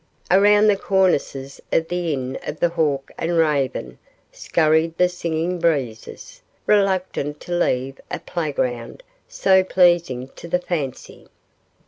Around the cornices of the Inn of the Hawk and Raven scurried the singing breezes, reluctant to leave a playground so pleasing to the fancy.